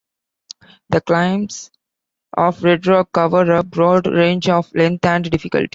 The climbs of Red Rock cover a broad range of length and difficulty.